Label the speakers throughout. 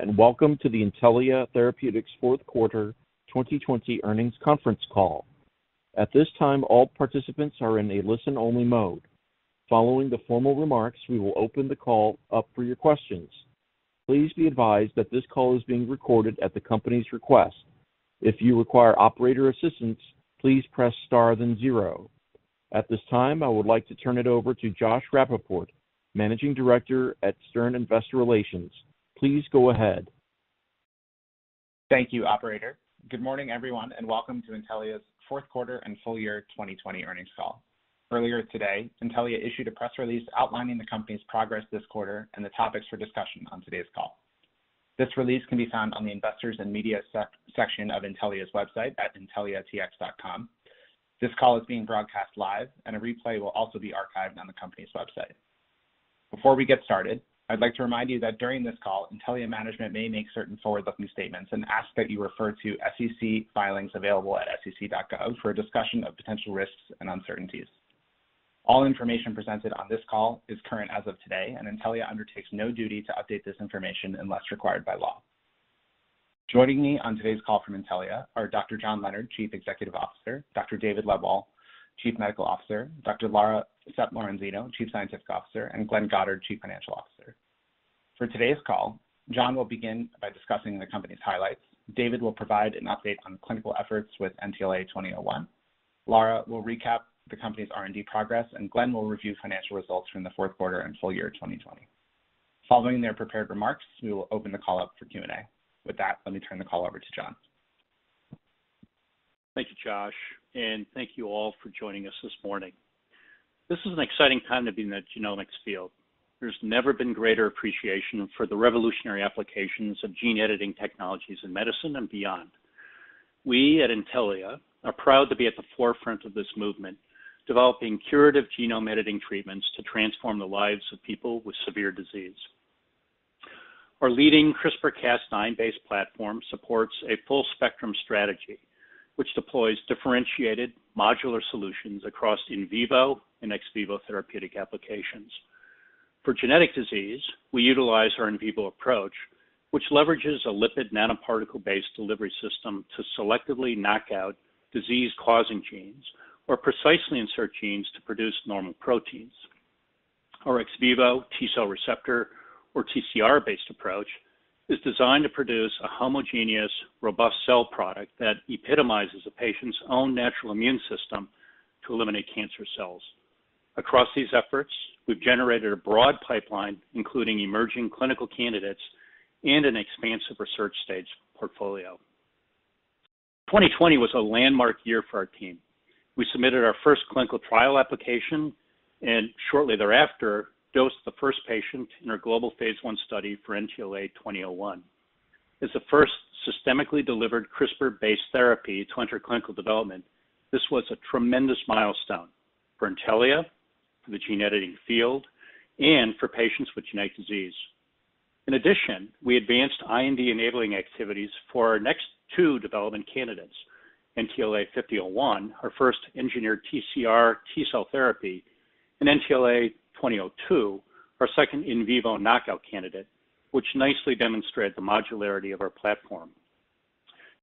Speaker 1: At this time, I would like to turn it over to Josh Rappaport, Managing Director at Stern Investor Relations. Please go ahead.
Speaker 2: Thank you, operator. Good morning, everyone, and welcome to Intellia's fourth quarter and full year 2020 earnings call. Earlier today, Intellia issued a press release outlining the company's progress this quarter and the topics for discussion on today's call. This release can be found on the Investors and Media section of Intellia's website at intelliatx.com. This call is being broadcast live, and a replay will also be archived on the company's website. Before we get started, I'd like to remind you that during this call, Intellia management may make certain forward-looking statements and ask that you refer to SEC filings available at sec.gov for a discussion of potential risks and uncertainties. All information presented on this call is current as of today, and Intellia undertakes no duty to update this information unless required by law. Joining me on today's call from Intellia are Dr. John Leonard, Chief Executive Officer, Dr. David Lebwohl, Chief Medical Officer, Dr. Laura Sepp-Lorenzino, Chief Scientific Officer, and Glenn Goddard, Chief Financial Officer. For today's call, John will begin by discussing the company's highlights. David will provide an update on clinical efforts with NTLA-2001. Laura will recap the company's R&D progress, and Glenn will review financial results from the fourth quarter and full year 2020. Following their prepared remarks, we will open the call up for Q&A. With that, let me turn the call over to John.
Speaker 3: Thank you, Josh. Thank you all for joining us this morning. This is an exciting time to be in the genomics field. There's never been greater appreciation for the revolutionary applications of gene editing technologies in medicine and beyond. We at Intellia are proud to be at the forefront of this movement, developing curative genome editing treatments to transform the lives of people with severe disease. Our leading CRISPR-Cas9-based platform supports a full-spectrum strategy which deploys differentiated modular solutions across in vivo and ex vivo therapeutic applications. For genetic disease, we utilize our in vivo approach, which leverages a lipid nanoparticle-based delivery system to selectively knock out disease-causing genes or precisely insert genes to produce normal proteins. Our ex vivo T-cell receptor, or TCR-based approach, is designed to produce a homogeneous, robust cell product that epitomizes a patient's own natural immune system to eliminate cancer cells. Across these efforts, we've generated a broad pipeline, including emerging clinical candidates and an expansive research stage portfolio. 2020 was a landmark year for our team. We submitted our first clinical trial application and shortly thereafter dosed the first patient in our global phase I study for NTLA-2001. As the first systemically delivered CRISPR-based therapy to enter clinical development, this was a tremendous milestone for Intellia, for the gene editing field, and for patients with genetic disease. In addition, we advanced IND-enabling activities for our next two development candidates, NTLA-5001, our first engineered TCR T-cell therapy, and NTLA-2002, our second in vivo knockout candidate, which nicely demonstrate the modularity of our platform.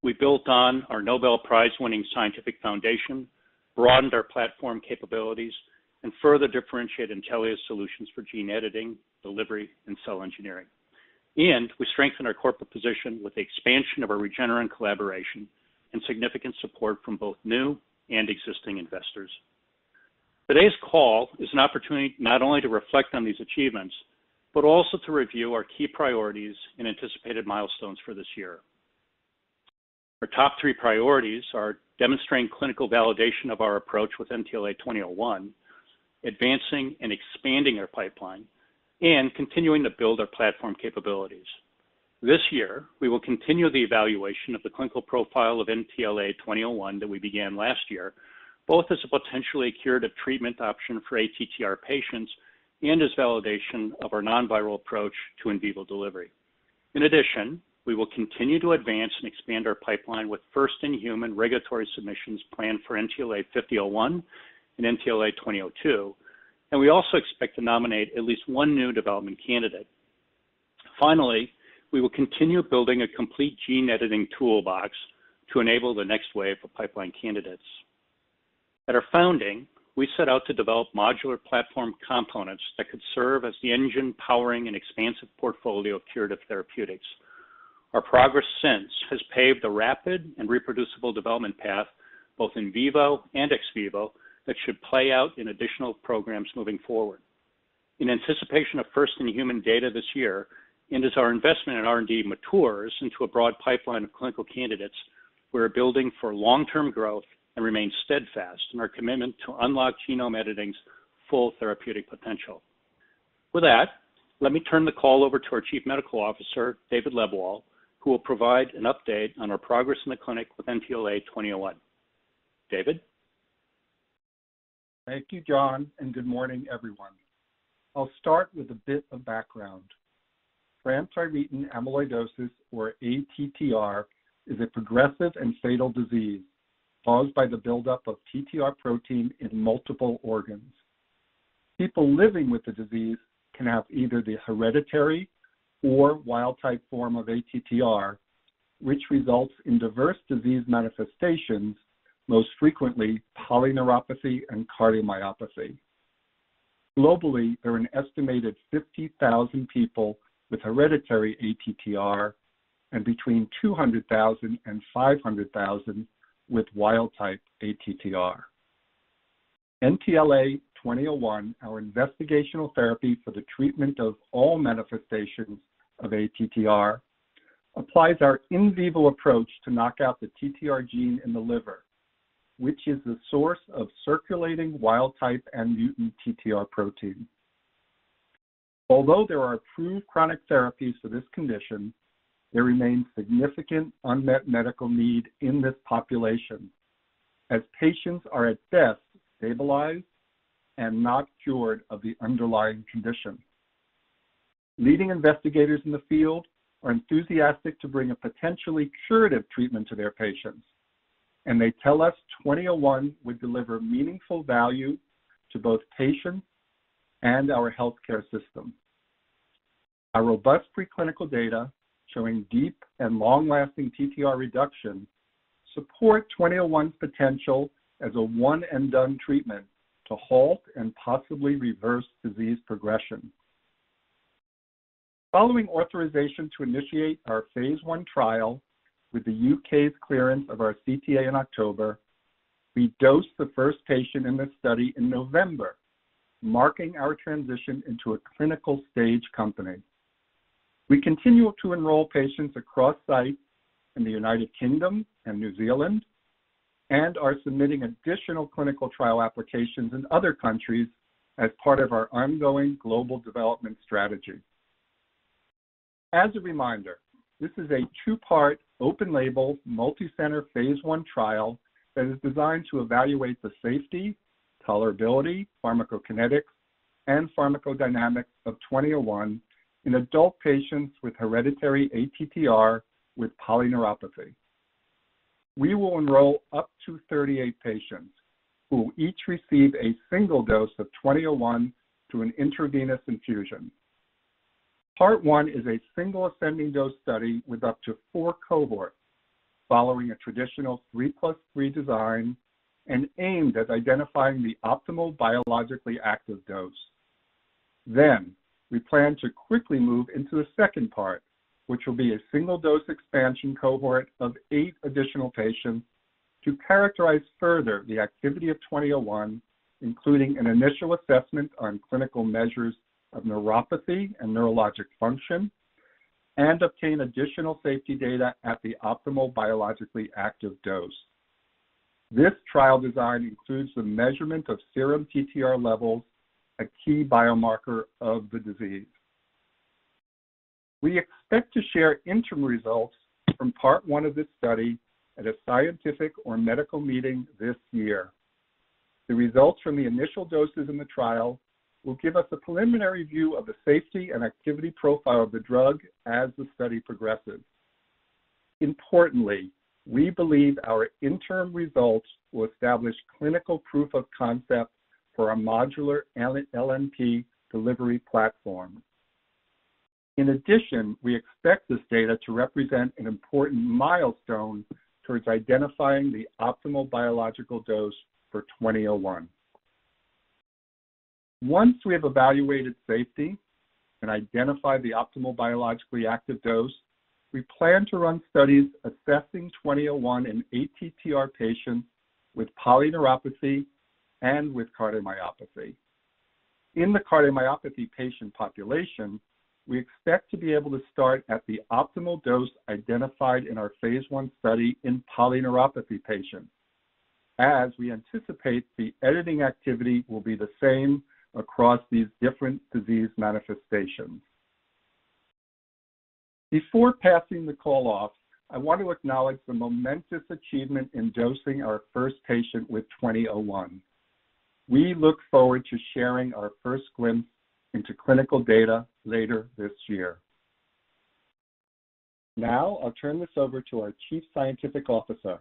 Speaker 3: We built on our Nobel Prize-winning scientific foundation, broadened our platform capabilities, and further differentiate Intellia's solutions for gene editing, delivery, and cell engineering. We strengthened our corporate position with the expansion of our Regeneron collaboration and significant support from both new and existing investors. Today's call is an opportunity not only to reflect on these achievements, but also to review our key priorities and anticipated milestones for this year. Our top three priorities are demonstrating clinical validation of our approach with NTLA-2001, advancing and expanding our pipeline, and continuing to build our platform capabilities. This year, we will continue the evaluation of the clinical profile of NTLA-2001 that we began last year, both as a potentially curative treatment option for ATTR patients and as validation of our non-viral approach to in vivo delivery. In addition, we will continue to advance and expand our pipeline with first-in-human regulatory submissions planned for NTLA-5001 and NTLA-2002, and we also expect to nominate at least one new development candidate. Finally, we will continue building a complete gene-editing toolbox to enable the next wave of pipeline candidates. At our founding, we set out to develop modular platform components that could serve as the engine powering an expansive portfolio of curative therapeutics. Our progress since has paved a rapid and reproducible development path, both in vivo and ex vivo, that should play out in additional programs moving forward. In anticipation of first-in-human data this year, and as our investment in R&D matures into a broad pipeline of clinical candidates, we're building for long-term growth and remain steadfast in our commitment to unlock genome editing's full therapeutic potential. With that, let me turn the call over to our Chief Medical Officer, David Lebwohl, who will provide an update on our progress in the clinic with NTLA-2001. David?
Speaker 4: Thank you, John, and good morning, everyone. I'll start with a bit of background. Transthyretin amyloidosis, or ATTR, is a progressive and fatal disease Caused by the buildup of TTR protein in multiple organs. People living with the disease can have either the hereditary or wild type form of ATTR, which results in diverse disease manifestations, most frequently polyneuropathy and cardiomyopathy. Globally, there are an estimated 50,000 people with hereditary ATTR and between 200,000 and 500,000 with wild type ATTR. NTLA-2001, our investigational therapy for the treatment of all manifestations of ATTR, applies our in vivo approach to knock out the TTR gene in the liver, which is the source of circulating wild type and mutant TTR protein. Although there are approved chronic therapies for this condition, there remains significant unmet medical need in this population, as patients are at best stabilized and not cured of the underlying condition. Leading investigators in the field are enthusiastic to bring a potentially curative treatment to their patients, and they tell us 2001 would deliver meaningful value to both patients and our healthcare system. Our robust preclinical data showing deep and long-lasting TTR reduction support 2001's potential as a one and done treatment to halt and possibly reverse disease progression. Following authorization to initiate our phase I trial with the U.K.'s clearance of our CTA in October, we dosed the first patient in this study in November, marking our transition into a clinical stage company. We continue to enroll patients across sites in the United Kingdom and New Zealand and are submitting additional clinical trial applications in other countries as part of our ongoing global development strategy. As a reminder, this is a two-part, open label, multicenter phase I trial that is designed to evaluate the safety, tolerability, pharmacokinetics, and pharmacodynamics of 2001 in adult patients with hereditary ATTR with polyneuropathy. We will enroll up to 38 patients who will each receive a single dose of 2001 through an intravenous infusion. Part one is a single ascending dose study with up to four cohorts following a traditional 3+3 design and aimed at identifying the optimal biologically active dose. We plan to quickly move into a second part, which will be a single dose expansion cohort of eight additional patients to characterize further the activity of 2001, including an initial assessment on clinical measures of neuropathy and neurologic function, and obtain additional safety data at the optimal biologically active dose. This trial design includes the measurement of serum TTR levels, a key biomarker of the disease. We expect to share interim results from part one of this study at a scientific or medical meeting this year. The results from the initial doses in the trial will give us a preliminary view of the safety and activity profile of the drug as the study progresses. Importantly, we believe our interim results will establish clinical proof of concept for our modular LNP delivery platform. In addition, we expect this data to represent an important milestone towards identifying the optimal biological dose for 2001. Once we have evaluated safety and identified the optimal biologically active dose, we plan to run studies assessing 2001 in ATTR patients with polyneuropathy and with cardiomyopathy. In the cardiomyopathy patient population, we expect to be able to start at the optimal dose identified in our phase I study in polyneuropathy patients, as we anticipate the editing activity will be the same across these different disease manifestations. Before passing the call off, I want to acknowledge the momentous achievement in dosing our first patient with NTLA-2001. We look forward to sharing our first glimpse into clinical data later this year. I'll turn this over to our Chief Scientific Officer,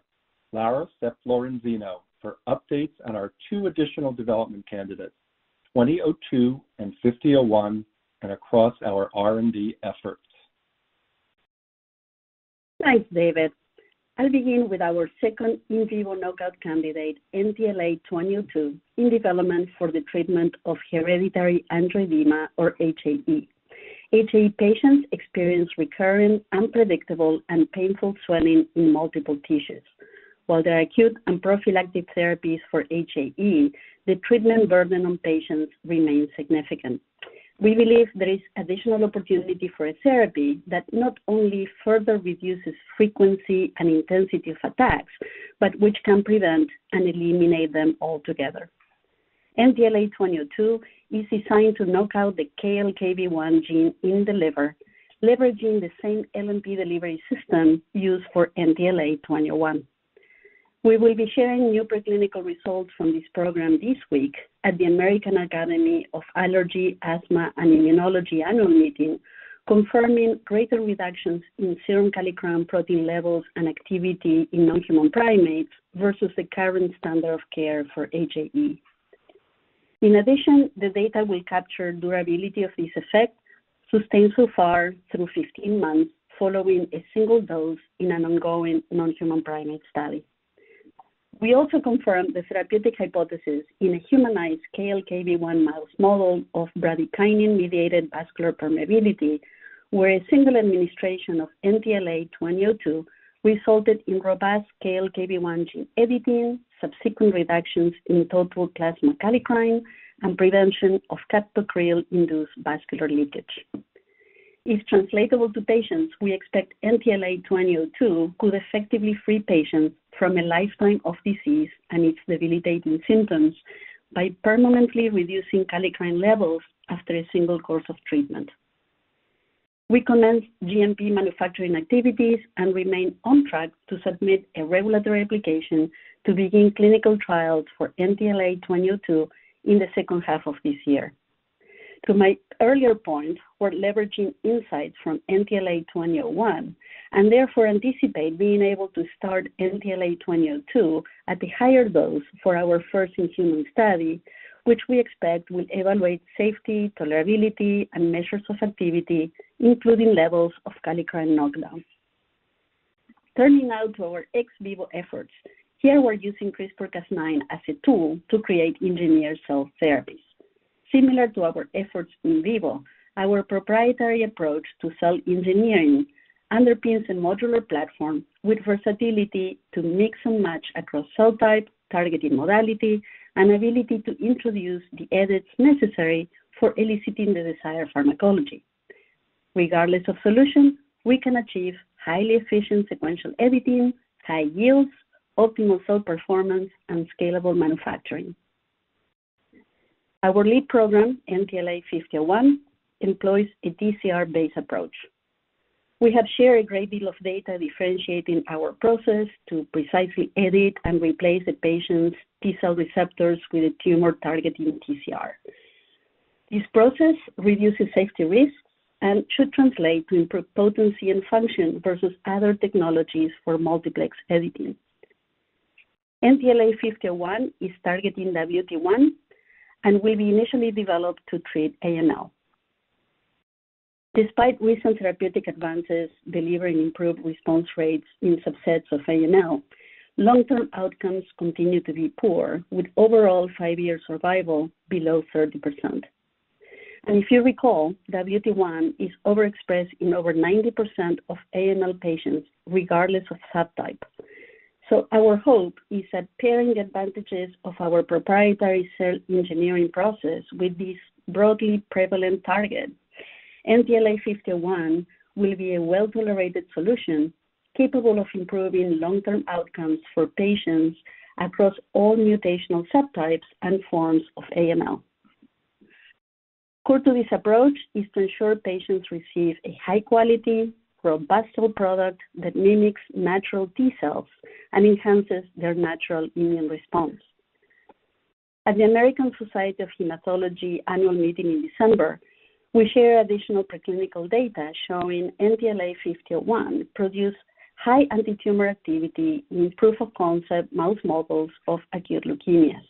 Speaker 4: Laura Sepp-Lorenzino, for updates on our two additional development candidates, NTLA-2002 and NTLA-5001, and across our R&D efforts.
Speaker 5: Thanks, David. I'll begin with our second in vivo knockout candidate, NTLA-2002, in development for the treatment of hereditary angioedema, or HAE. HAE patients experience recurring, unpredictable, and painful swelling in multiple tissues. While there are acute and prophylactic therapies for HAE, the treatment burden on patients remains significant. We believe there is additional opportunity for a therapy that not only further reduces frequency and intensity of attacks, but which can prevent and eliminate them altogether. NTLA-2002 is designed to knock out the KLKB1 gene in the liver, leveraging the same LNP delivery system used for NTLA-2001. We will be sharing new preclinical results from this program this week at the American Academy of Allergy, Asthma & Immunology annual meeting, confirming greater reductions in serum kallikrein protein levels and activity in non-human primates versus the current standard of care for HAE. In addition, the data will capture durability of this effect, sustained so far through 15 months following a single dose in an ongoing non-human primate study. We also confirmed the therapeutic hypothesis in a humanized KLKB1 mouse model of bradykinin-mediated vascular permeability, where a single administration of NTLA-2002 resulted in robust KLKB1 gene editing, subsequent reductions in total plasma kallikrein, and prevention of captopril-induced vascular leakage. If translatable to patients, we expect NTLA-2002 could effectively free patients from a lifetime of disease and its debilitating symptoms by permanently reducing kallikrein levels after a single course of treatment. We commenced GMP manufacturing activities and remain on track to submit a regulatory application to begin clinical trials for NTLA-2002 in the second half of this year. To my earlier point, we're leveraging insights from NTLA-2001 and therefore anticipate being able to start NTLA-2002 at the higher dose for our first-in-human study, which we expect will evaluate safety, tolerability, and measures of activity, including levels of kallikrein knockdown. Turning now to our ex vivo efforts. Here, we're using CRISPR-Cas9 as a tool to create engineered cell therapies. Similar to our efforts in vivo, our proprietary approach to cell engineering underpins a modular platform with versatility to mix and match across cell type, targeted modality, and ability to introduce the edits necessary for eliciting the desired pharmacology. Regardless of solution, we can achieve highly efficient sequential editing, high yields, optimal cell performance, and scalable manufacturing. Our lead program, NTLA-5001, employs a TCR-based approach. We have shared a great deal of data differentiating our process to precisely edit and replace a patient's T cell receptors with a tumor-targeting TCR. This process reduces safety risks and should translate to improved potency and function versus other technologies for multiplex editing. NTLA-5001 is targeting WT1 and will be initially developed to treat AML. Despite recent therapeutic advances delivering improved response rates in subsets of AML, long-term outcomes continue to be poor, with overall five-year survival below 30%. If you recall, WT1 is overexpressed in over 90% of AML patients, regardless of subtype. Our hope is that pairing advantages of our proprietary cell engineering process with these broadly prevalent targets, NTLA-5001 will be a well-tolerated solution capable of improving long-term outcomes for patients across all mutational subtypes and forms of AML. Core to this approach is to ensure patients receive a high-quality, robust cell product that mimics natural T-cells and enhances their natural immune response. At the American Society of Hematology annual meeting in December, we shared additional preclinical data showing NTLA-5001 produced high antitumor activity in proof-of-concept mouse models of acute leukemias.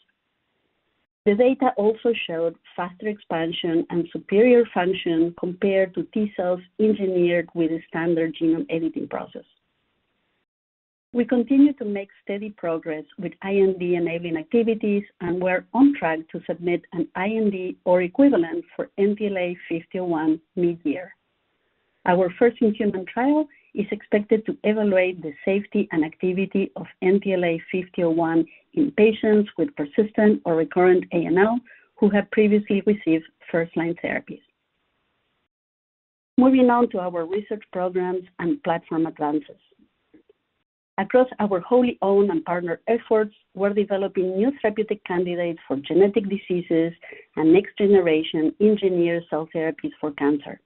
Speaker 5: The data also showed faster expansion and superior function compared to T-cells engineered with a standard genome editing process. We continue to make steady progress with IND-enabling activities, and we're on track to submit an IND or equivalent for NTLA-5001 mid-year. Our first-in-human trial is expected to evaluate the safety and activity of NTLA-5001 in patients with persistent or recurrent AML who have previously received first-line therapies. Moving on to our research programs and platform advances. Across our wholly owned and partnered efforts, we're developing new therapeutic candidates for genetic diseases and next-generation engineered cell therapies for cancer.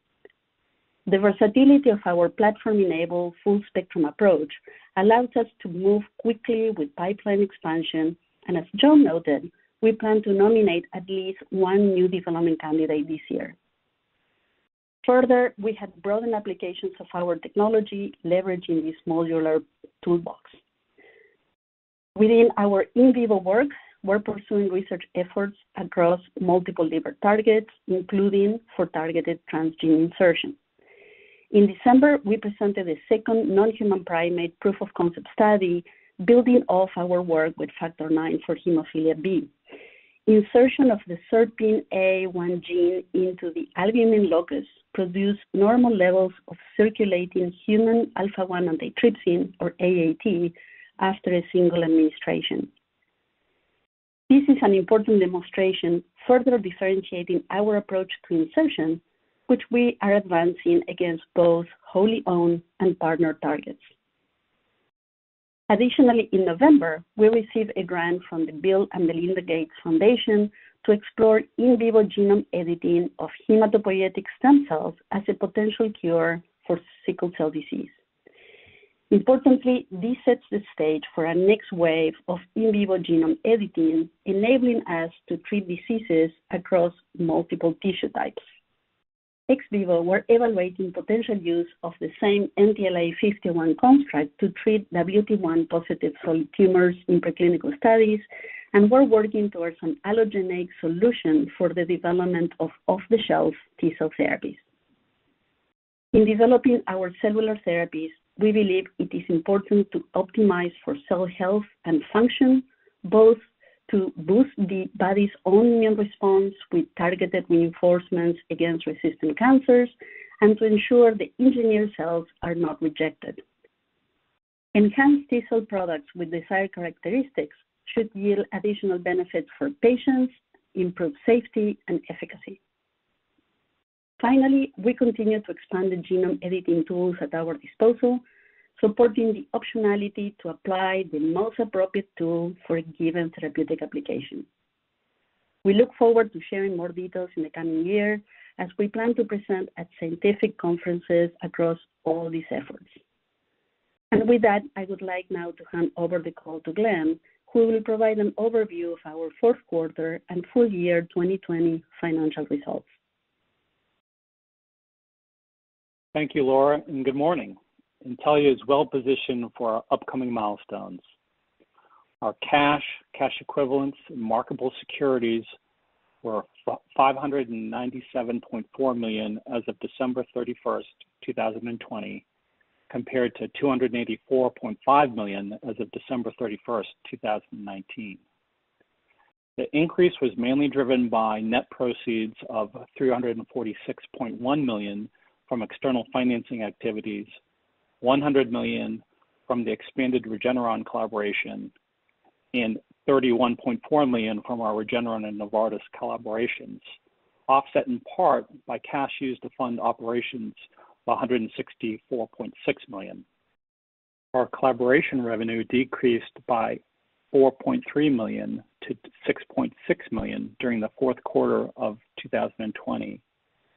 Speaker 5: The versatility of our platform-enabled full spectrum approach allows us to move quickly with pipeline expansion, and as John noted, we plan to nominate at least one new development candidate this year. Further, we have broadened applications of our technology leveraging this modular toolbox. Within our in vivo work, we're pursuing research efforts across multiple liver targets, including for targeted transgene insertion. In December, we presented a second non-human primate proof-of-concept study building off our work with factor IX for hemophilia B. Insertion of the SERPINA1 gene into the albumin locus produced normal levels of circulating human alpha-1 antitrypsin, or AAT, after a single administration. This is an important demonstration, further differentiating our approach to insertion, which we are advancing against both wholly owned and partnered targets. Additionally, in November, we received a grant from the Bill & Melinda Gates Foundation to explore in vivo genome editing of hematopoietic stem cells as a potential cure for sickle cell disease. Importantly, this sets the stage for a next wave of in vivo genome editing, enabling us to treat diseases across multiple tissue types. Ex vivo, we're evaluating potential use of the same NTLA-51 construct to treat WT1-positive solid tumors in preclinical studies, and we're working towards an allogeneic solution for the development of off-the-shelf T-cell therapies. In developing our cellular therapies, we believe it is important to optimize for cell health and function, both to boost the body's own immune response with targeted reinforcements against resistant cancers and to ensure the engineered cells are not rejected. Enhanced T-cell products with desired characteristics should yield additional benefits for patients, improve safety, and efficacy. Finally, we continue to expand the genome editing tools at our disposal, supporting the optionality to apply the most appropriate tool for a given therapeutic application. We look forward to sharing more details in the coming year as we plan to present at scientific conferences across all these efforts. With that, I would like now to hand over the call to Glenn, who will provide an overview of our fourth quarter and full year 2020 financial results.
Speaker 6: Thank you, Laura, and good morning. Intellia is well positioned for our upcoming milestones. Our cash equivalents, and marketable securities were $597.4 million as of December 31st, 2020, compared to $284.5 million as of December 31st, 2019. The increase was mainly driven by net proceeds of $346.1 million from external financing activities, $100 million from the expanded Regeneron collaboration, and $31.4 million from our Regeneron and Novartis collaborations, offset in part by cash used to fund operations of $164.6 million. Our collaboration revenue decreased by $4.3 million to $6.6 million during the fourth quarter of 2020,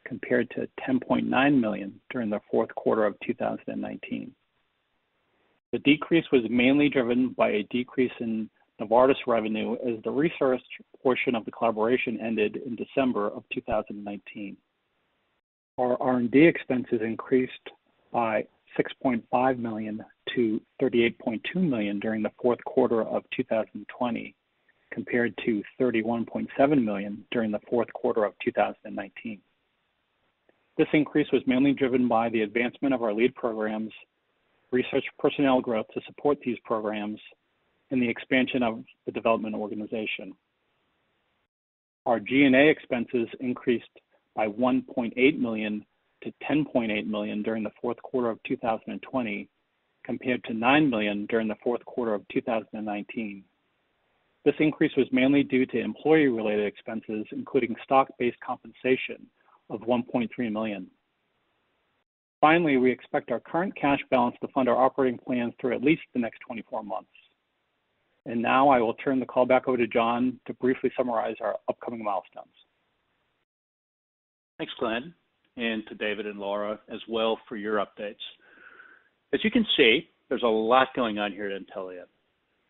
Speaker 6: compared to $10.9 million during the fourth quarter of 2019. The decrease was mainly driven by a decrease in Novartis revenue, as the research portion of the collaboration ended in December of 2019. Our R&D expenses increased by $6.5 million to $38.2 million during the fourth quarter of 2020, compared to $31.7 million during the fourth quarter of 2019. This increase was mainly driven by the advancement of our lead programs, research personnel growth to support these programs, and the expansion of the development organization. Our G&A expenses increased by $1.8 million to $10.8 million during the fourth quarter of 2020, compared to $9 million during the fourth quarter of 2019. This increase was mainly due to employee-related expenses, including stock-based compensation of $1.3 million. Finally, we expect our current cash balance to fund our operating plans through at least the next 24 months. Now I will turn the call back over to John to briefly summarize our upcoming milestones.
Speaker 3: Thanks, Glenn, and to David and Laura as well for your updates. As you can see, there's a lot going on here at Intellia.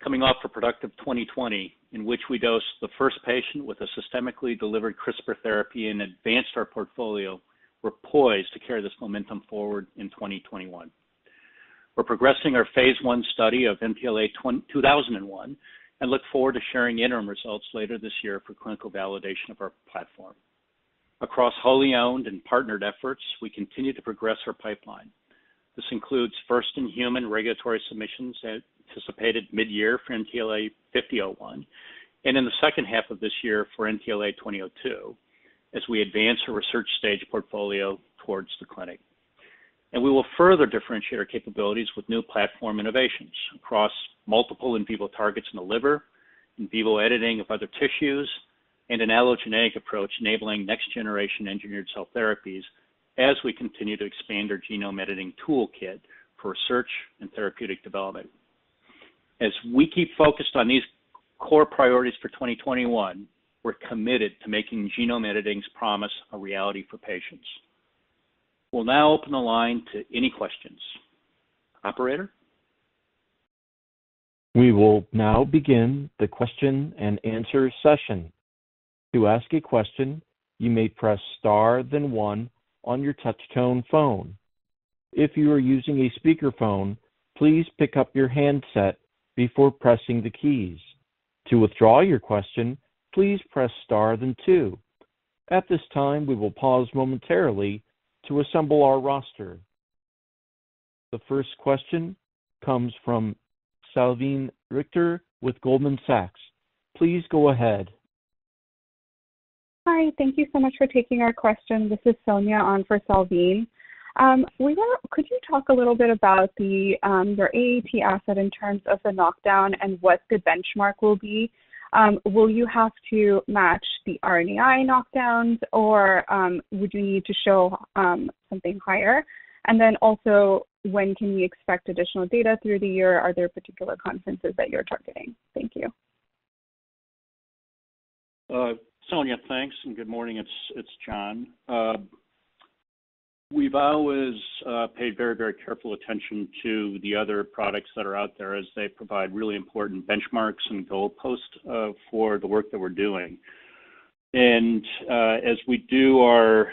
Speaker 3: Coming off a productive 2020, in which we dosed the first patient with a systemically delivered CRISPR therapy and advanced our portfolio, we're poised to carry this momentum forward in 2021. We're progressing our phase I study of NTLA-2001 and look forward to sharing interim results later this year for clinical validation of our platform. Across wholly owned and partnered efforts, we continue to progress our pipeline. This includes first-in-human regulatory submissions anticipated mid-year for NTLA-5001, and in the second half of this year for NTLA-2002, as we advance our research stage portfolio towards the clinic. We will further differentiate our capabilities with new platform innovations across multiple in vivo targets in the liver, in vivo editing of other tissues, and an allogeneic approach enabling next-generation engineered cell therapies as we continue to expand our genome editing toolkit for research and therapeutic development. As we keep focused on these core priorities for 2021, we're committed to making genome editing's promise a reality for patients. We'll now open the line to any questions. Operator?
Speaker 1: We will now begin the question-and-answer session. To ask a question, you may press star one on your touch-tone phone. If you are using a speakerphone, please pick up your handset before pressing the keys. To withdraw your question, please press star two. At this time, we will pause momentarily to assemble our roster. The first question comes from Salveen Richter with Goldman Sachs. Please go ahead.
Speaker 7: Hi. Thank you so much for taking our question. This is Sonia on for Salveen. Could you talk a little bit about your AAT asset in terms of the knockdown and what the benchmark will be? Will you have to match the RNAi knockdowns, or would you need to show something higher? Also, when can we expect additional data through the year? Are there particular conferences that you're targeting? Thank you.
Speaker 3: Sonia, thanks, and good morning. It's John. We've always paid very careful attention to the other products that are out there as they provide really important benchmarks and goalposts for the work that we're doing. As we do our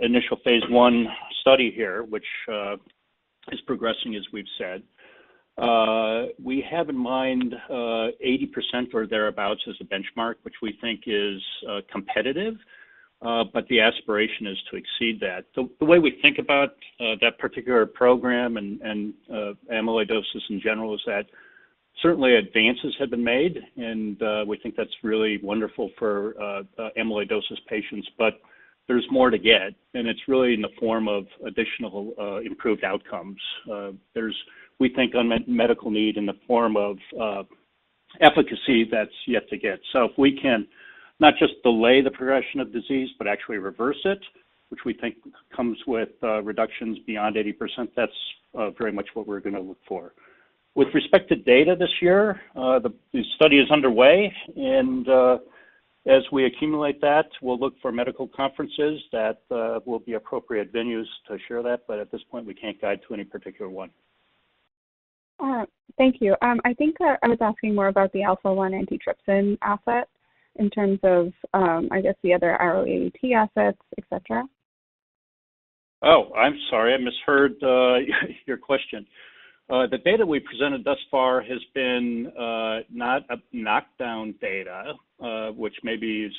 Speaker 3: initial phase I study here, which is progressing as we've said, we have in mind 80% or thereabouts as a benchmark, which we think is competitive. The aspiration is to exceed that. The way we think about that particular program and amyloidosis in general is that certainly advances have been made, and we think that's really wonderful for amyloidosis patients. There's more to get, and it's really in the form of additional improved outcomes. There's, we think, unmet medical need in the form of efficacy that's yet to get. If we can not just delay the progression of disease, but actually reverse it, which we think comes with reductions beyond 80%, that's very much what we're going to look for. With respect to data this year, the study is underway, and as we accumulate that, we'll look for medical conferences that will be appropriate venues to share that. At this point, we can't guide to any particular one.
Speaker 7: All right. Thank you. I think I was asking more about the alpha-1 antitrypsin asset in terms of, I guess the other RNAi assets, et cetera.
Speaker 3: I'm sorry. I misheard your question. The data we presented thus far has been not a knockdown data, which maybe is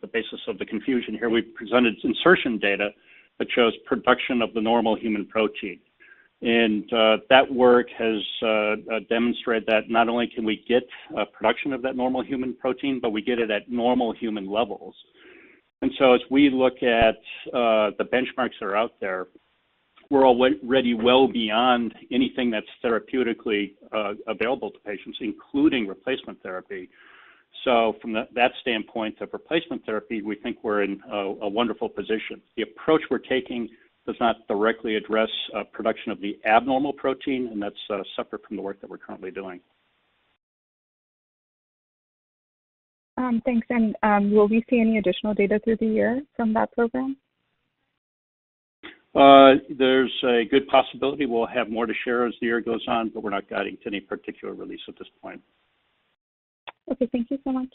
Speaker 3: the basis of the confusion here. We've presented insertion data that shows production of the normal human protein. That work has demonstrated that not only can we get a production of that normal human protein, but we get it at normal human levels. As we look at the benchmarks that are out there, we're already well beyond anything that's therapeutically available to patients, including replacement therapy. From that standpoint of replacement therapy, we think we're in a wonderful position. The approach we're taking does not directly address production of the abnormal protein, and that's separate from the work that we're currently doing.
Speaker 7: Thanks. Will we see any additional data through the year from that program?
Speaker 3: There's a good possibility we'll have more to share as the year goes on, but we're not guiding to any particular release at this point.
Speaker 7: Okay. Thank you so much.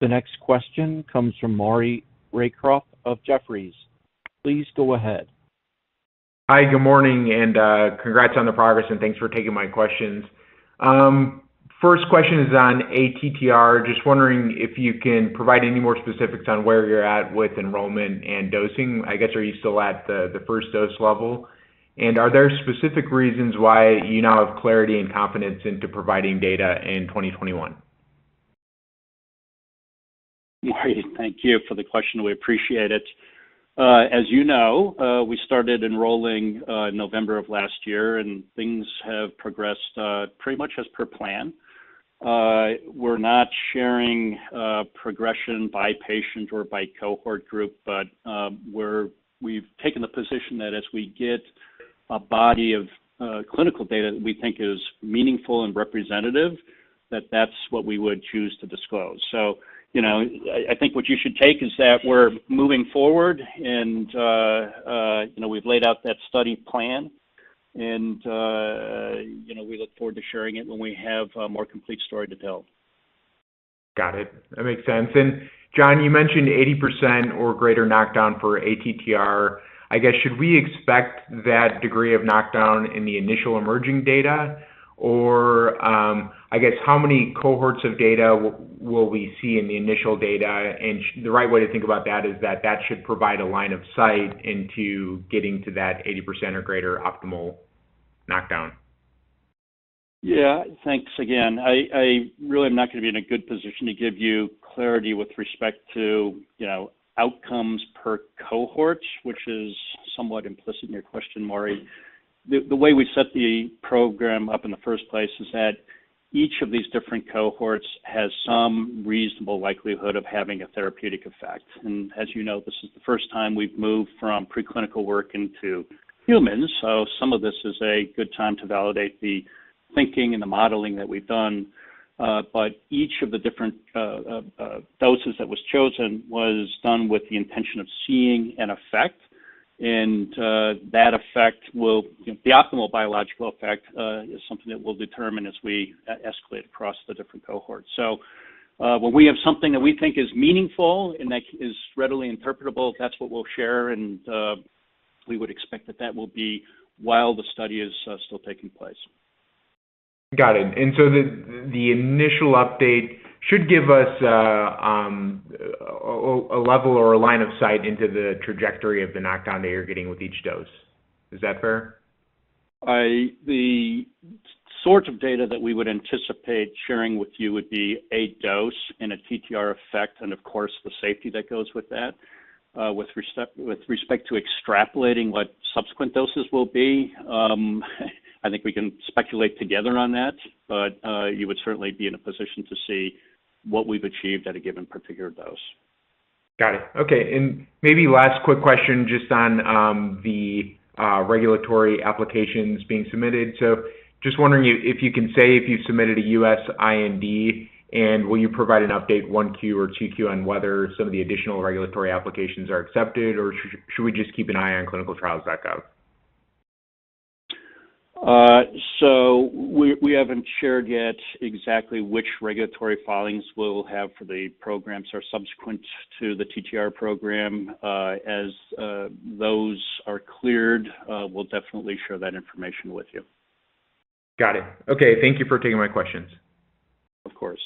Speaker 1: The next question comes from Maury Raycroft of Jefferies. Please go ahead.
Speaker 8: Hi, good morning, and congrats on the progress, and thanks for taking my questions. First question is on ATTR. Just wondering if you can provide any more specifics on where you're at with enrollment and dosing. I guess, are you still at the first dose level? Are there specific reasons why you now have clarity and confidence into providing data in 2021?
Speaker 3: Maury, thank you for the question. We appreciate it. As you know, we started enrolling November of last year, and things have progressed pretty much as per plan. We're not sharing progression by patient or by cohort group. We've taken the position that as we get a body of clinical data that we think is meaningful and representative, that that's what we would choose to disclose. I think what you should take is that we're moving forward, and we've laid out that study plan and we look forward to sharing it when we have a more complete story to tell.
Speaker 8: Got it. That makes sense. John, you mentioned 80% or greater knockdown for ATTR. I guess, should we expect that degree of knockdown in the initial emerging data? I guess how many cohorts of data will we see in the initial data? The right way to think about that is that that should provide a line of sight into getting to that 80% or greater optimal knockdown?
Speaker 3: Yeah. Thanks again. I really am not going to be in a good position to give you clarity with respect to outcomes per cohort, which is somewhat implicit in your question, Maury. The way we set the program up in the first place is that each of these different cohorts has some reasonable likelihood of having a therapeutic effect. As you know, this is the first time we've moved from preclinical work into humans, so some of this is a good time to validate the thinking and the modeling that we've done. Each of the different doses that was chosen was done with the intention of seeing an effect. The optimal biological effect is something that we'll determine as we escalate across the different cohorts. When we have something that we think is meaningful and that is readily interpretable, that's what we'll share. We would expect that that will be while the study is still taking place.
Speaker 8: Got it. The initial update should give us a level or a line of sight into the trajectory of the knockdown that you're getting with each dose. Is that fair?
Speaker 3: The sort of data that we would anticipate sharing with you would be a dose and a TTR effect, and of course, the safety that goes with that. With respect to extrapolating what subsequent doses will be, I think we can speculate together on that, but you would certainly be in a position to see what we've achieved at a given particular dose.
Speaker 8: Got it. Okay. Maybe last quick question just on the regulatory applications being submitted. Just wondering if you can say if you submitted a U.S. IND, and will you provide an update 1Q or 2Q on whether some of the additional regulatory applications are accepted, or should we just keep an eye on clinicaltrials.gov?
Speaker 3: We haven't shared yet exactly which regulatory filings we'll have for the programs are subsequent to the TTR program. As those are cleared, we'll definitely share that information with you.
Speaker 8: Got it. Okay. Thank you for taking my questions.
Speaker 3: Of course.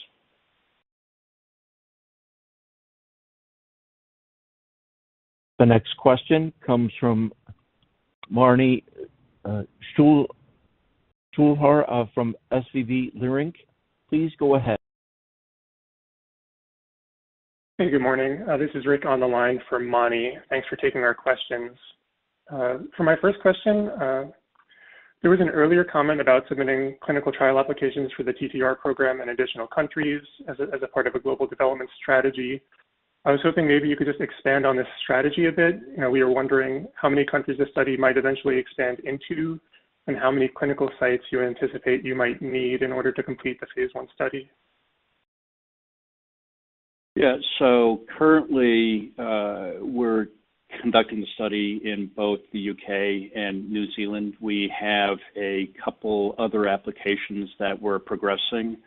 Speaker 1: The next question comes from [Mani Foroohar] from SVB Leerink. Please go ahead.
Speaker 9: Hey, good morning. This is Rick on the line for Mani. Thanks for taking our questions. For my first question, there was an earlier comment about submitting clinical trial applications for the TTR program in additional countries as a part of a global development strategy. I was hoping maybe you could just expand on this strategy a bit. We are wondering how many countries this study might eventually expand into, and how many clinical sites you anticipate you might need in order to complete the phase I study.
Speaker 3: Yeah. Currently, we're conducting the study in both the U.K. and New Zealand. We have a couple other applications that we're progressing.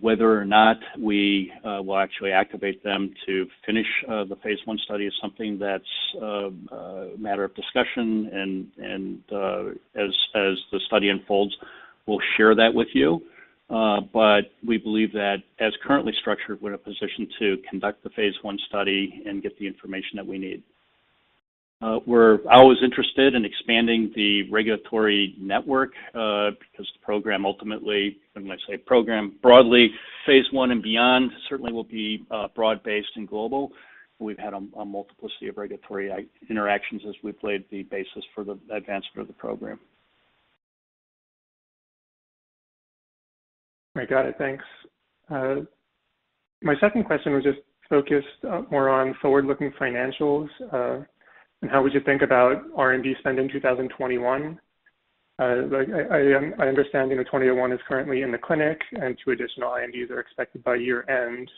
Speaker 3: Whether or not we will actually activate them to finish the phase I study is something that's a matter of discussion, and as the study unfolds, we'll share that with you. We believe that as currently structured, we're in a position to conduct the phase I study and get the information that we need. We're always interested in expanding the regulatory network, because the program, ultimately, when I say program, broadly, phase I and beyond certainly will be broad-based and global. We've had a multiplicity of regulatory interactions as we've laid the basis for the advancement of the program.
Speaker 9: I got it. Thanks. My second question was just focused more on forward-looking financials. How would you think about R&D spend in 2021? I understand 2001 is currently in the clinic, and two additional INDs are expected by year-end.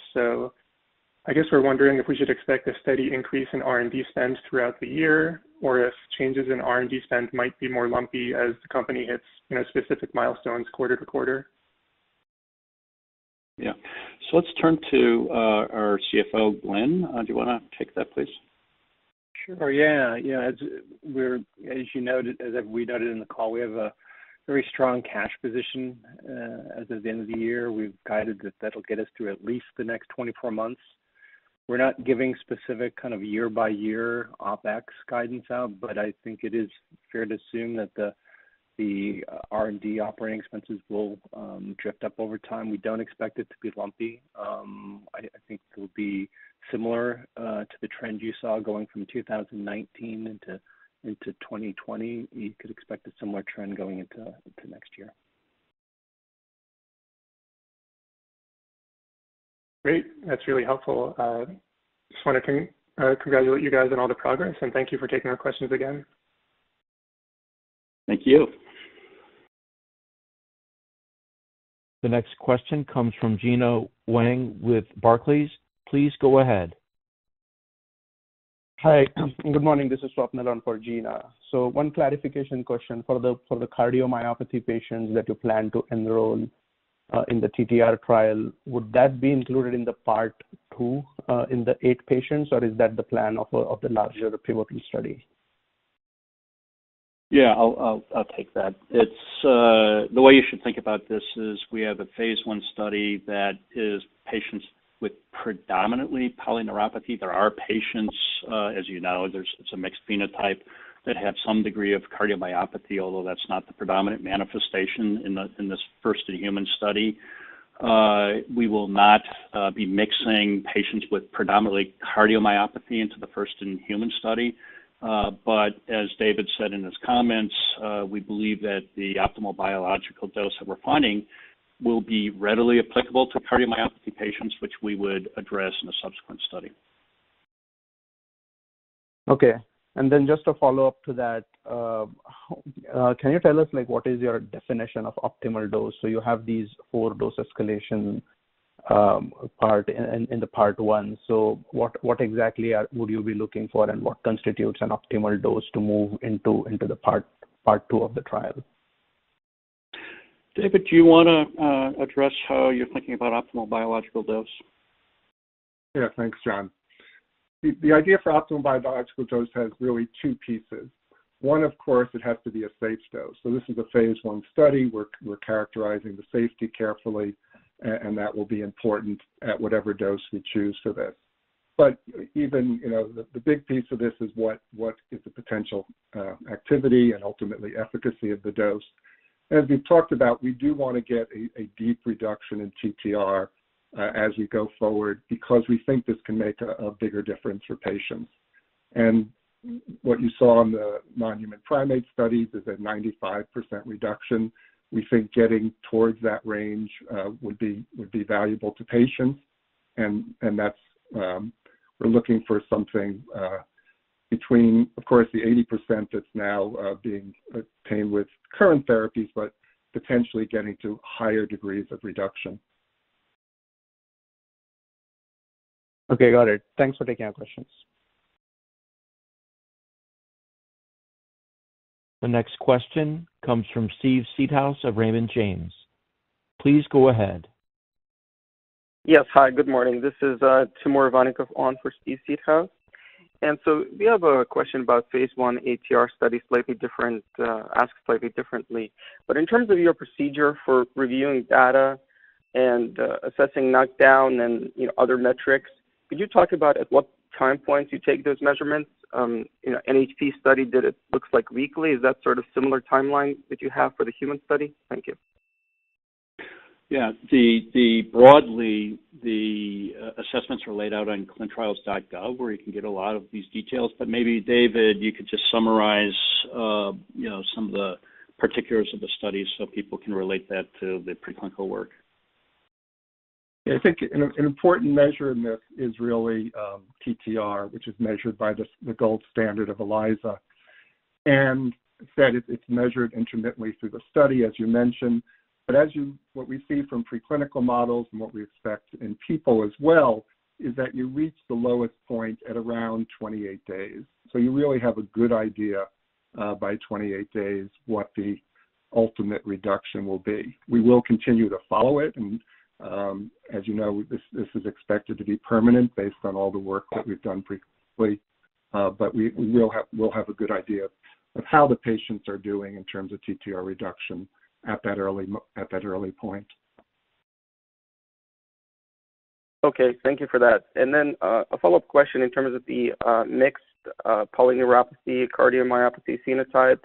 Speaker 9: I guess we're wondering if we should expect a steady increase in R&D spends throughout the year, or if changes in R&D spend might be more lumpy as the company hits specific milestones quarter to quarter.
Speaker 3: Yeah. Let's turn to our CFO, Glenn. Do you want to take that, please?
Speaker 6: Sure. Yeah. As we noted in the call, we have a very strong cash position as of the end of the year. We've guided that that'll get us through at least the next 24 months. We're not giving specific year by year OpEx guidance out, but I think it is fair to assume that the R&D operating expenses will drift up over time. We don't expect it to be lumpy. I think it will be similar to the trend you saw going from 2019 into 2020. You could expect a similar trend going into next year.
Speaker 9: Great. That's really helpful. Just want to congratulate you guys on all the progress, and thank you for taking our questions again.
Speaker 3: Thank you.
Speaker 1: The next question comes from Gena Wang with Barclays. Please go ahead.
Speaker 10: Hi. Good morning. This is [Swapnil] on for Gena. One clarification question for the cardiomyopathy patients that you plan to enroll in the TTR trial. Would that be included in the Part Two, in the eight patients, or is that the plan of the larger pivotal study?
Speaker 3: Yeah, I'll take that. The way you should think about this is we have a phase I study that is patients with predominantly polyneuropathy. There are patients, as you know, there's some mixed phenotype that have some degree of cardiomyopathy, although that's not the predominant manifestation in this first human study. We will not be mixing patients with predominantly cardiomyopathy into the first in human study. As David said in his comments, we believe that the optimal biological dose that we're finding will be readily applicable to cardiomyopathy patients, which we would address in a subsequent study.
Speaker 10: Okay. Just a follow-up to that. Can you tell us what is your definition of optimal dose? You have these four dose escalation in the part I. What exactly would you be looking for, and what constitutes an optimal dose to move into the part II of the trial?
Speaker 3: David, do you want to address how you're thinking about optimal biological dose?
Speaker 4: Thanks, John. The idea for optimal biological dose has really two pieces. One, of course, it has to be a safe dose. This is a phase I study. We're characterizing the safety carefully, and that will be important at whatever dose we choose for this. Even the big piece of this is what is the potential activity and ultimately efficacy of the dose. As we've talked about, we do want to get a deep reduction in TTR as we go forward because we think this can make a bigger difference for patients. What you saw on the non-human primate studies is a 95% reduction. We think getting towards that range would be valuable to patients, and we're looking for something between, of course, the 80% that's now being obtained with current therapies, but potentially getting to higher degrees of reduction.
Speaker 10: Okay, got it. Thanks for taking our questions.
Speaker 1: The next question comes from Steve Seedhouse of Raymond James. Please go ahead.
Speaker 11: Yes. Hi, good morning. This is Timur Ivannikov on for Steve Seedhouse. We have a question about phase I ATTR study asked slightly differently. In terms of your procedure for reviewing data and assessing knockdown and other metrics, could you talk about at what time points you take those measurements? NHP study did it, looks like weekly. Is that sort of similar timeline that you have for the human study? Thank you.
Speaker 3: Yeah. Broadly, the assessments are laid out on clinicaltrials.gov, where you can get a lot of these details, but maybe, David, you could just summarize some of the particulars of the study so people can relate that to the preclinical work.
Speaker 4: I think an important measure in this is really, TTR, which is measured by the gold standard of ELISA, and that it's measured intermittently through the study, as you mentioned. What we see from preclinical models and what we expect in people as well, is that you reach the lowest point at around 28 days. You really have a good idea, by 28 days, what the ultimate reduction will be. We will continue to follow it, as you know, this is expected to be permanent based on all the work that we've done previously. We'll have a good idea of how the patients are doing in terms of TTR reduction at that early point.
Speaker 11: Thank you for that. Then, a follow-up question in terms of the mixed polyneuropathy cardiomyopathy phenotype.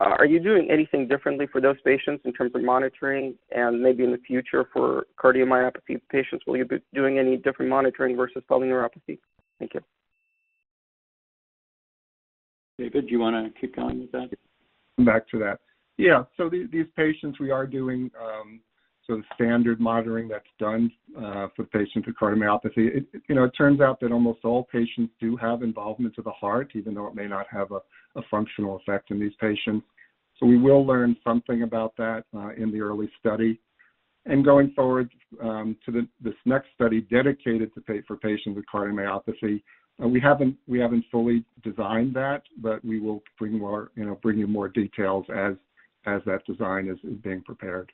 Speaker 11: Are you doing anything differently for those patients in terms of monitoring and maybe in the future for cardiomyopathy patients? Will you be doing any different monitoring versus polyneuropathy? Thank you.
Speaker 3: David, do you want to keep going with that?
Speaker 4: Come back to that. Yeah. These patients we are doing some standard monitoring that's done for patients with cardiomyopathy. It turns out that almost all patients do have involvement to the heart, even though it may not have a functional effect in these patients. We will learn something about that in the early study. Going forward, to this next study dedicated to patients with cardiomyopathy, we haven't fully designed that, but we will bring you more details as that design is being prepared.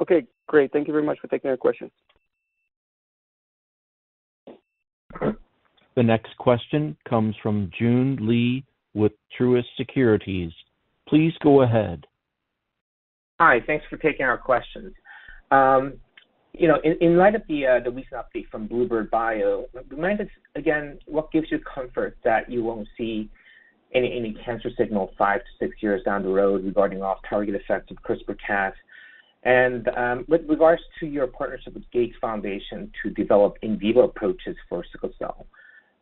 Speaker 11: Okay, great. Thank you very much for taking our question.
Speaker 1: The next question comes from Joon Lee with Truist Securities. Please go ahead.
Speaker 12: Hi. Thanks for taking our questions. In light of the recent update from bluebird bio, remind us again what gives you comfort that you won't see any cancer signal five to six years down the road regarding off-target effects of CRISPR-Cas? With regards to your partnership with Gates Foundation to develop in vivo approaches for sickle cell,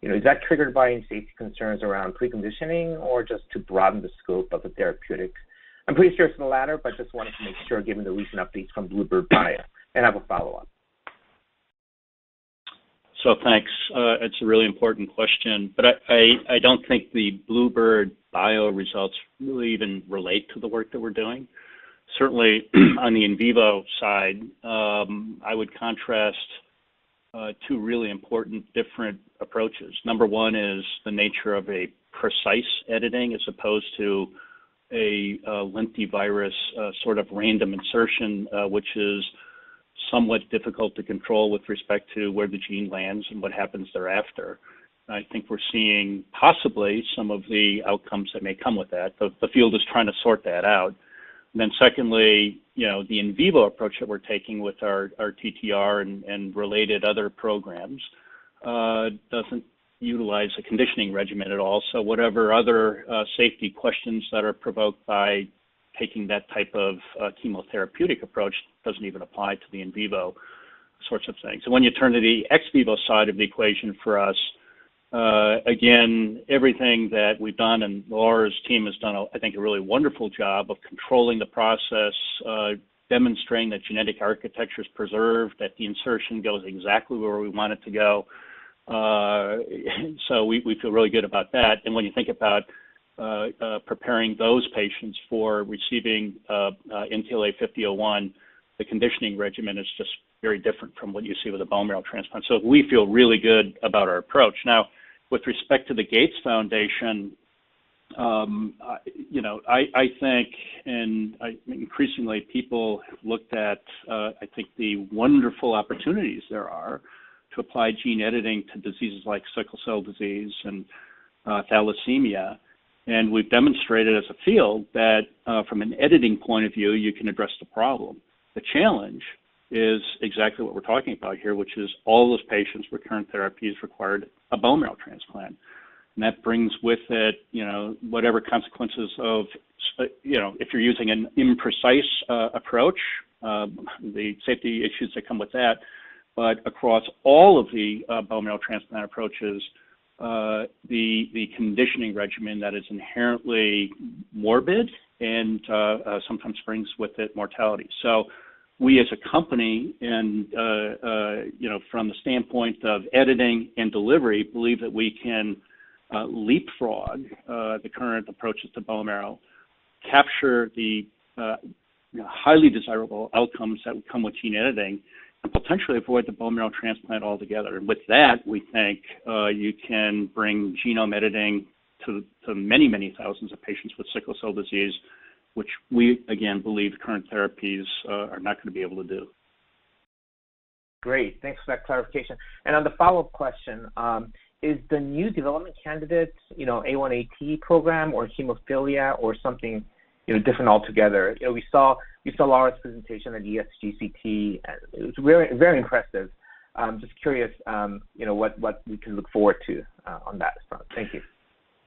Speaker 12: is that triggered by any safety concerns around preconditioning or just to broaden the scope of the therapeutic? I'm pretty sure it's the latter, but just wanted to make sure given the recent updates from bluebird bio. I have a follow-up.
Speaker 3: Thanks. It's a really important question, but I don't think the bluebird bio results really even relate to the work that we're doing. Certainly on the in vivo side, I would contrast two really important different approaches. Number one is the nature of a precise editing as opposed to a lentivirus sort of random insertion, which is somewhat difficult to control with respect to where the gene lands and what happens thereafter. I think we're seeing possibly some of the outcomes that may come with that. The field is trying to sort that out. Secondly, the in vivo approach that we're taking with our TTR and related other programs, doesn't utilize a conditioning regimen at all. Whatever other safety questions that are provoked by taking that type of chemotherapeutic approach doesn't even apply to the in vivo sorts of things. When you turn to the ex vivo side of the equation for us, again, everything that we've done, and Laura's team has done, I think, a really wonderful job of controlling the process, demonstrating that genetic architecture's preserved, that the insertion goes exactly where we want it to go. We feel really good about that. When you think about preparing those patients for receiving NTLA-5001, the conditioning regimen is just very different from what you see with a bone marrow transplant. We feel really good about our approach. Now, with respect to the Gates Foundation, I think, and increasingly people have looked at, I think the wonderful opportunities there are to apply gene editing to diseases like sickle cell disease and thalassemia, and we've demonstrated as a field that, from an editing point of view, you can address the problem. The challenge is exactly what we're talking about here, which is all those patients' recurrent therapies required a bone marrow transplant, and that brings with it whatever consequences of if you're using an imprecise approach, the safety issues that come with that, but across all of the bone marrow transplant approaches, the conditioning regimen that is inherently morbid and sometimes brings with it mortality. We as a company, and from the standpoint of editing and delivery, believe that we can leapfrog the current approaches to capture the highly desirable outcomes that would come with gene editing and potentially avoid the bone marrow transplant altogether. With that, we think you can bring genome editing to many thousands of patients with sickle cell disease, which we, again, believe current therapies are not going to be able to do.
Speaker 12: Great. Thanks for that clarification. On the follow-up question, is the new development candidate A1AT program or hemophilia or something different altogether? We saw Laura's presentation at ESGCT, and it was very impressive. Just curious what we can look forward to on that front. Thank you.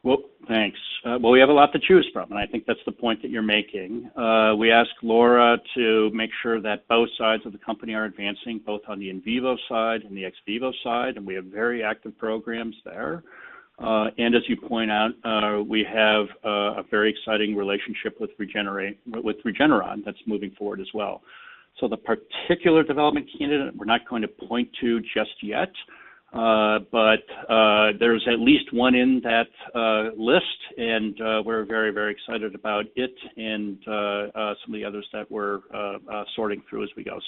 Speaker 3: Well, thanks. Well, we have a lot to choose from, and I think that's the point that you're making. We asked Laura to make sure that both sides of the company are advancing, both on the in vivo side and the ex vivo side, and we have very active programs there. As you point out, we have a very exciting relationship with Regeneron that's moving forward as well. The particular development candidate we're not going to point to just yet, but there's at least one in that list and we're very excited about it and some of the others that we're sorting through as we go.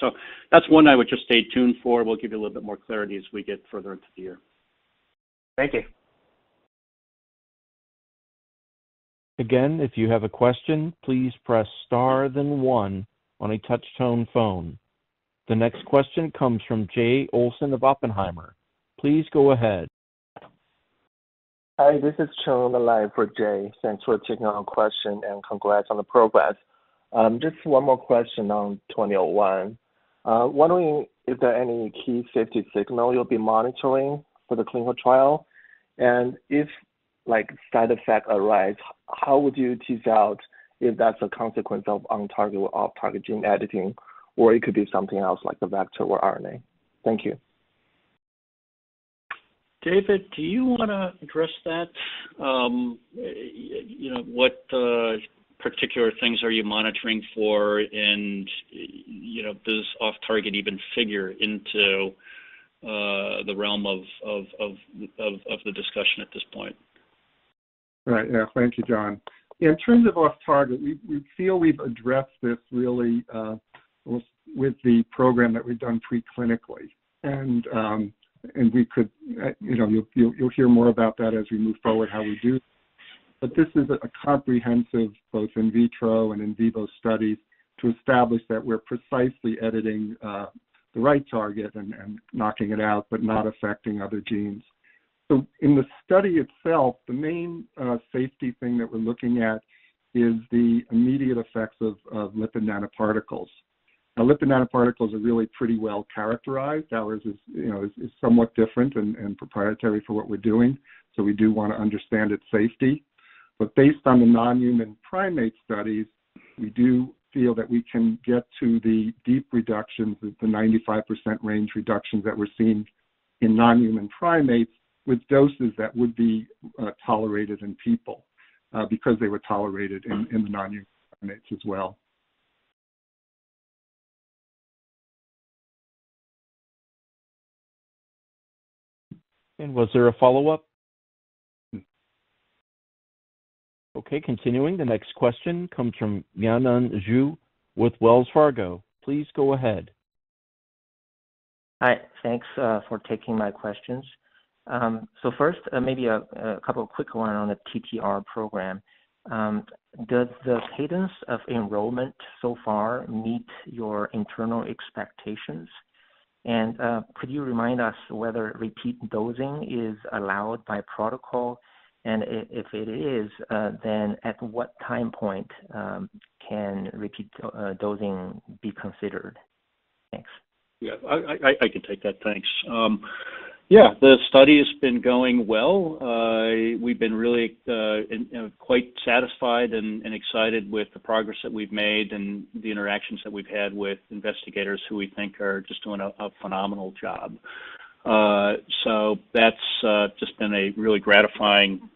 Speaker 3: That's one I would just stay tuned for. We'll give you a little bit more clarity as we get further into the year.
Speaker 12: Thank you.
Speaker 1: Again, if you have a question, please press star then one on a touchtone phone. The next question comes from Jay Olson of Oppenheimer. Please go ahead.
Speaker 13: Hi, this is [Chung], the line for Jay. Thanks for taking our question, and congrats on the progress. Just one more question on 2001. Wondering if there are any key safety signal you'll be monitoring for the clinical trial. If side effects arise, how would you tease out if that's a consequence of on-target or off-target gene editing, or it could be something else like the vector or RNA? Thank you.
Speaker 3: David, do you want to address that? What particular things are you monitoring for and, does off-target even figure into the realm of the discussion at this point?
Speaker 4: Right. Thank you, John. In terms of off-target, we feel we've addressed this really with the program that we've done pre-clinically. You'll hear more about that as we move forward, how we do. This is a comprehensive, both in vitro and in vivo study to establish that we're precisely editing the right target and knocking it out, but not affecting other genes. In the study itself, the main safety thing that we're looking at is the immediate effects of lipid nanoparticles. Now, lipid nanoparticles are really pretty well characterized. Ours is somewhat different and proprietary for what we're doing, we do want to understand its safety. Based on the non-human primate studies, we do feel that we can get to the deep reductions, the 95% range reductions that were seen in non-human primates with doses that would be tolerated in people, because they were tolerated in the non-human primates as well.
Speaker 1: Was there a follow-up? Okay, continuing. The next question comes from Yanan Zhu with Wells Fargo. Please go ahead.
Speaker 14: Hi, thanks for taking my questions. first, maybe a couple of quick one on the TCR program. Does the cadence of enrollment so far meet your internal expectations? could you remind us whether repeat dosing is allowed by protocol, and if it is, then at what time point can repeat dosing be considered? Thanks.
Speaker 3: I can take that. Thanks. The study has been going well. We've been really quite satisfied and excited with the progress that we've made and the interactions that we've had with investigators who we think are just doing a phenomenal job. That's just been a really gratifying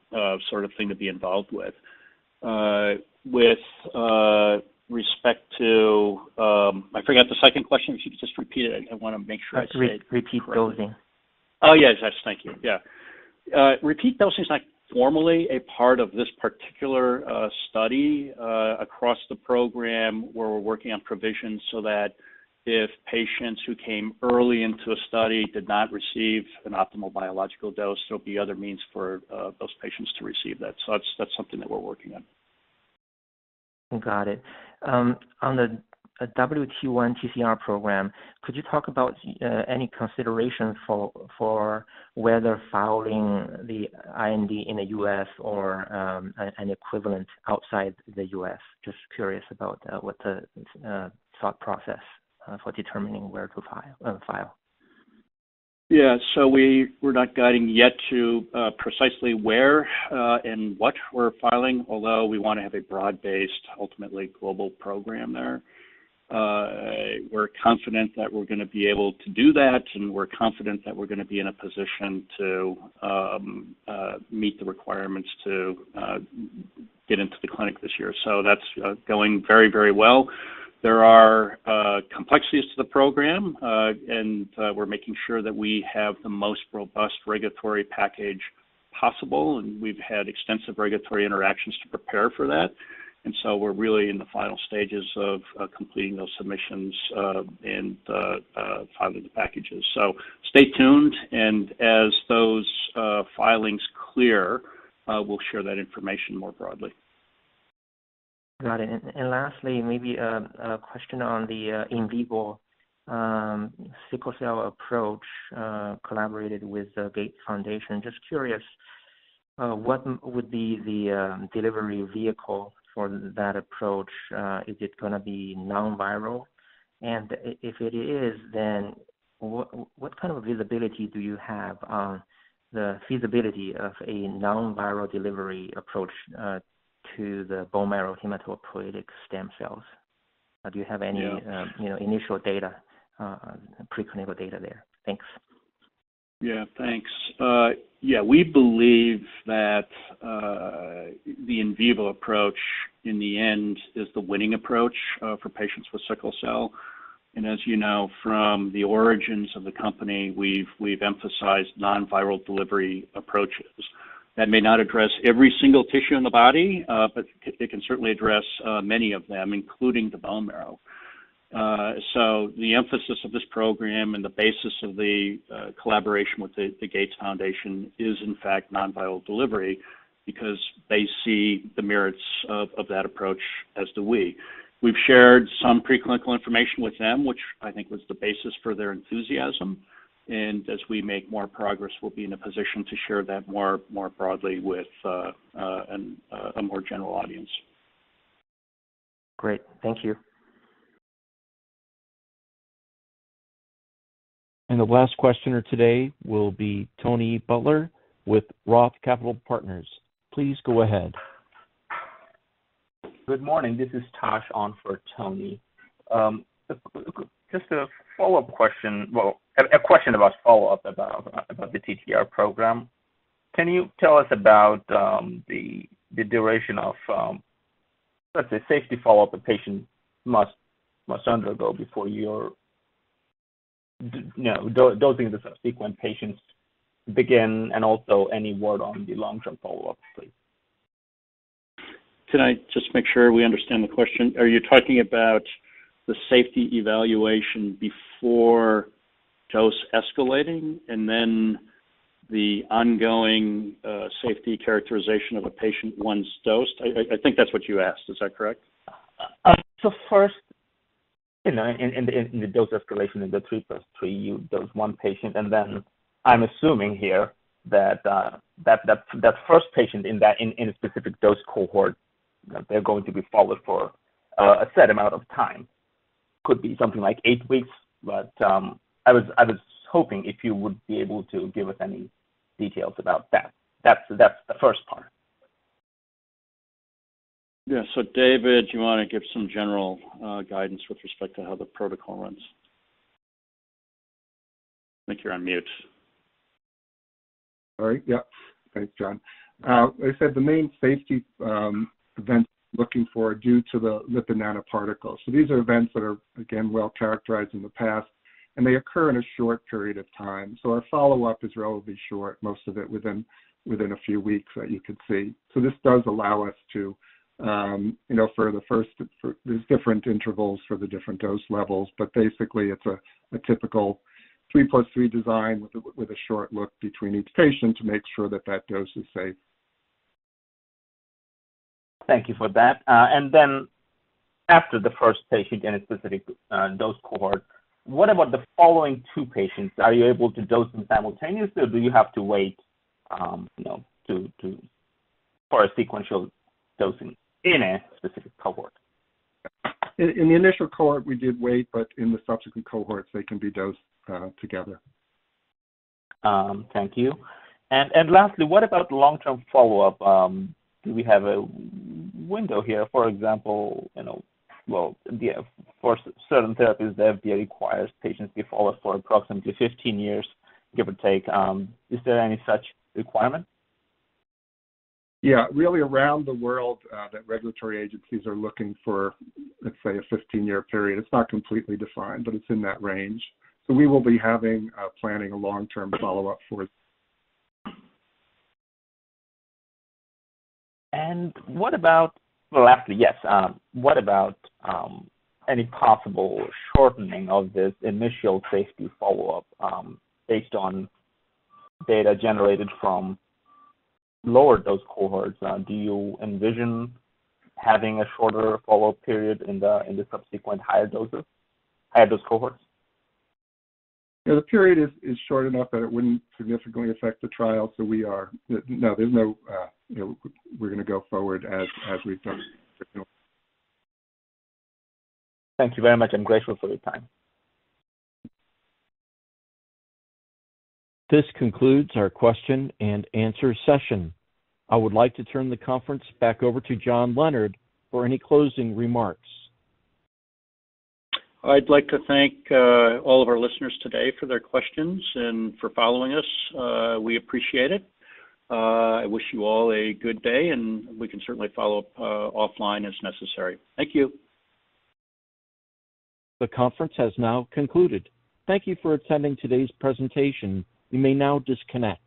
Speaker 3: sort of thing to be involved with. I forgot the second question. If you could just repeat it, I want to make sure I say it correctly.
Speaker 14: Repeat dosing.
Speaker 3: Oh, yes. Thank you. Yeah. Repeat dosing is not formally a part of this particular study. Across the program, we're working on provisions so that if patients who came early into a study did not receive an optimal biological dose, there'll be other means for those patients to receive that. That's something that we're working on.
Speaker 14: Got it. On the WT1 TCR program, could you talk about any consideration for whether filing the IND in the U.S. or an equivalent outside the U.S.? Just curious about what the thought process for determining where to file.
Speaker 3: Yeah. We're not guiding yet to precisely where and what we're filing, although we want to have a broad-based, ultimately global program there. We're confident that we're going to be able to do that, and we're confident that we're going to be in a position to meet the requirements to get into the clinic this year. That's going very well. There are complexities to the program, and we're making sure that we have the most robust regulatory package possible, and we've had extensive regulatory interactions to prepare for that. We're really in the final stages of completing those submissions and filing the packages. Stay tuned, and as those filings clear, we'll share that information more broadly.
Speaker 14: Got it. Lastly, maybe a question on the in vivo sickle cell approach, collaborated with the Gates Foundation. Just curious, what would be the delivery vehicle for that approach? Is it going to be non-viral? If it is, what kind of visibility do you have on the feasibility of a non-viral delivery approach to the bone marrow hematopoietic stem cells?
Speaker 3: Yeah
Speaker 14: Do you have any initial data, preclinical data there? Thanks.
Speaker 3: Yeah, thanks. We believe that the in vivo approach, in the end, is the winning approach for patients with sickle cell. As you know from the origins of the company, we've emphasized non-viral delivery approaches. That may not address every single tissue in the body, but it can certainly address many of them, including the bone marrow. The emphasis of this program and the basis of the collaboration with the Gates Foundation is, in fact, non-viral delivery, because they see the merits of that approach, as do we. We've shared some preclinical information with them, which I think was the basis for their enthusiasm. As we make more progress, we'll be in a position to share that more broadly with a more general audience.
Speaker 14: Great. Thank you.
Speaker 1: The last questioner today will be Tony Butler with Roth Capital Partners. Please go ahead.
Speaker 15: Good morning. This is Tash on for Tony. A follow-up question, well, a question about follow-up about the TTR program. Can you tell us about the duration of, let's say, safety follow-up a patient must undergo before dosing the subsequent patients begin, and also any word on the long-term follow-up, please.
Speaker 3: Can I just make sure we understand the question? Are you talking about the safety evaluation before dose escalating and then the ongoing safety characterization of a patient once dosed? I think that's what you asked. Is that correct?
Speaker 15: First, in the dose escalation in the 3+3, you dose one patient. I'm assuming here that that first patient in a specific dose cohort, they're going to be followed for a set amount of time. Could be something like eight weeks. I was hoping if you would be able to give us any details about that. That's the first part.
Speaker 3: Yeah. David, do you want to give some general guidance with respect to how the protocol runs? I think you're on mute.
Speaker 4: Sorry. Yep. Thanks, John. As I said, the main safety event we're looking for are due to the lipid nanoparticles. These are events that are, again, well-characterized in the past, and they occur in a short period of time. Our follow-up is relatively short, most of it within a few weeks that you could see. This does allow us to, for the first, there's different intervals for the different dose levels, but basically it's a typical 3+3 design with a short look between each patient to make sure that that dose is safe.
Speaker 15: Thank you for that. After the first patient in a specific dose cohort, what about the following two patients? Are you able to dose them simultaneously, or do you have to wait for a sequential dosing in a specific cohort?
Speaker 4: In the initial cohort, we did wait, but in the subsequent cohorts, they can be dosed together.
Speaker 15: Thank you. Lastly, what about long-term follow-up? Do we have a window here? For example, for certain therapies, the FDA requires patients be followed for approximately 15 years, give or take. Is there any such requirement?
Speaker 4: Yeah. Really around the world that regulatory agencies are looking for, let's say, a 15-year period. It's not completely defined, but it's in that range. We will be planning a long-term follow-up for it.
Speaker 15: What about, well, lastly, yes, what about any possible shortening of this initial safety follow-up based on data generated from lower dose cohorts? Do you envision having a shorter follow-up period in the subsequent higher doses, higher dose cohorts?
Speaker 4: The period is short enough that it wouldn't significantly affect the trial. We're going to go forward as we've done.
Speaker 15: Thank you very much. I'm grateful for the time.
Speaker 1: This concludes our question-and-answer session. I would like to turn the conference back over to John Leonard for any closing remarks.
Speaker 3: I'd like to thank all of our listeners today for their questions and for following us. We appreciate it. I wish you all a good day, and we can certainly follow up offline as necessary. Thank you.
Speaker 1: The conference has now concluded. Thank you for attending today's presentation. You may now disconnect.